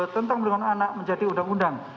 tentang perlindungan anak menjadi undang undang